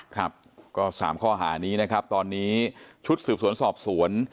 ครับก็๓ข้อหานี้นะครับตอนนี้ชุดสืบสวนสอบสวน